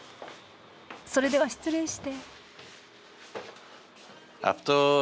それでは失礼して。